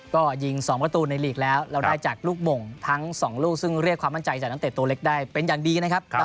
ชนะทิพย์ตอนนี้ต้องบอกว่าฟอร์มกำลังร้อนแรงเลยนะ